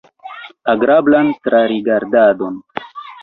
Agrablan trarigardadon!